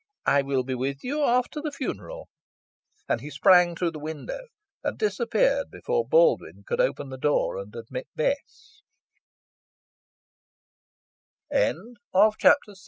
"I will be with you after the funeral." And he sprang through the window, and disappeared before Baldwyn could open the door and admit Bes